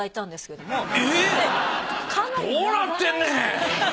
どうなってんねん！